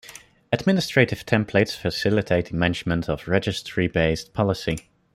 Administrative Templates facilitate the management of registry-based policy.